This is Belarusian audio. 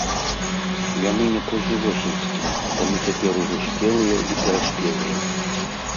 Яны не позневосеньскія, таму цяпер ужо спелыя і пераспелыя.